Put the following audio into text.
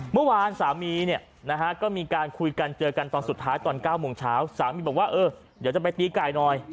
เมื่อวานสามีเนี่ยนะฮะก็มีการคุยกันเจอกันตอนสุดท้ายตอน๙โมงเช้าสามีบอกว่าเออเดี๋ยวจะไปตีไก่หน่อย